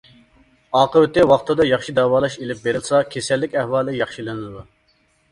ئاقىۋىتى ۋاقتىدا ياخشى داۋالاش ئېلىپ بېرىلسا كېسەللىك ئەھۋالى ياخشىلىنىدۇ.